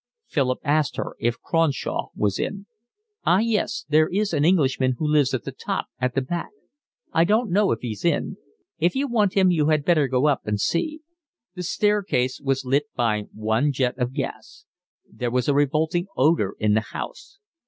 Philip asked her if Cronshaw was in. "Ah, yes, there is an Englishman who lives at the top, at the back. I don't know if he's in. If you want him you had better go up and see." The staircase was lit by one jet of gas. There was a revolting odour in the house.